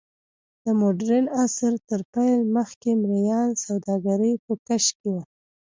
د موډرن عصر تر پیل مخکې مریانو سوداګري په کش کې وه.